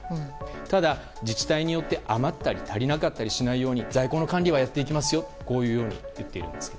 ただ自治体によって余ったり足りなかったりしないように在庫の管理はやっていきますよと言っています。